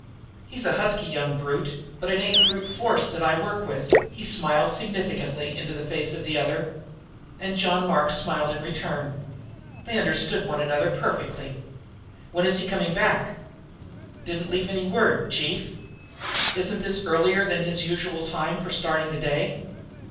"He's a husky young brute, but it ain't brute force that I work with." He smiled significantly into the face of the other, and John Mark smiled in return. They understood one another perfectly. "When is he coming back?" "Didn't leave any word, chief." "Isn't this earlier than his usual time for starting the day?"